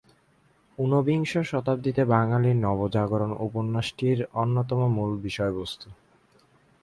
ঊনবিংশ শতাব্দীতে বাঙালির নবজাগরণ উপন্যাসটির অন্যতম মূল বিষয়বস্তু।